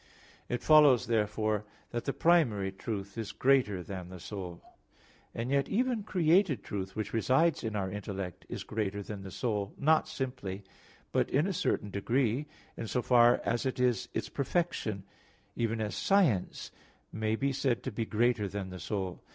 It follows, therefore, that the primary truth is greater than the soul. And yet, even created truth, which resides in our intellect, is greater than the soul, not simply, but in a certain degree, in so far as it is its perfection; even as science may be said to be greater than the soul.